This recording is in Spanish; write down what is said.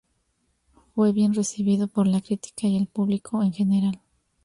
Fue bien recibido por la crítica y el público en general.